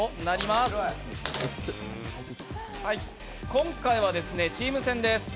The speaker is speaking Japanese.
今回はチーム戦です。